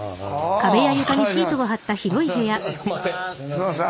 すいません。